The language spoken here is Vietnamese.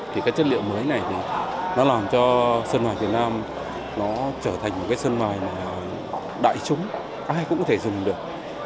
thì cái chất liệu mới này thì nó làm cho sơn mai việt nam nó trở thành một cái sơn mai đại chúng ai cũng có thể dùng được